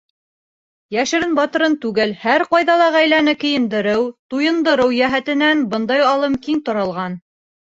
Йәшерен-батырын түгел, һәр ҡайҙа ла ғаиләне кейендереү, туйындырыу йәһәтенән бындай алым киң таралған.